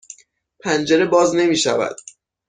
پنجره باز نمی شود.